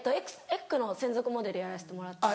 『ｅｇｇ』の専属モデルやらせてもらってます。